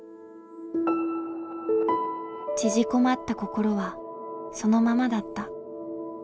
縮こまった心はそのままだった。